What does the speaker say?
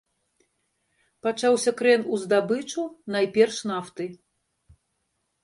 Пачаўся крэн у здабычу, найперш нафты.